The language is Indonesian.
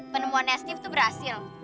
penemuan nesetan itu berhasil